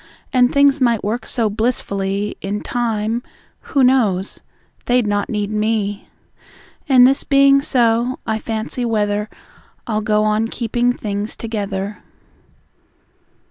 And things might work so blissfully, In time who knows? they'd not need me! And this being so, I fancy whether I'll go on keeping things together.